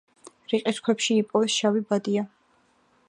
რიყის ქვებში იპოვეს შავი ბადია.